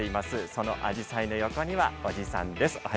そのアジサイの横にはおじさんです。